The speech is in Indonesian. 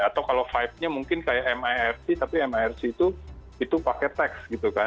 atau kalau vibe nya mungkin kayak mirc tapi mirc itu pakai teks gitu kan